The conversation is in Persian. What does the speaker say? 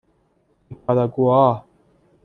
نیکاراگوآ